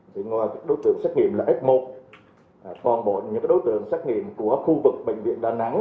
đối tượng xét nghiệm là f một còn bộ những đối tượng xét nghiệm của khu vực bệnh viện đà nẵng